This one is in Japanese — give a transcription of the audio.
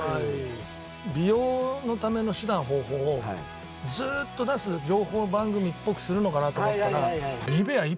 美容のための手段方法をずっと出す情報番組っぽくするのかなと思ったら。